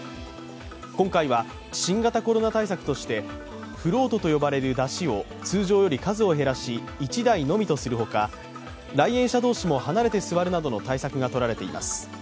今回は新型コロナ対策としてフロートと呼ばれる山車を通常より数を減らし、１台のみとする他、来園者同士も離れて座るなどの対策がとられています。